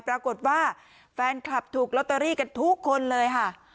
ปรากฏว่าแฟนคลับถูกลอตเตอรี่กันทุกคนเลยค่ะ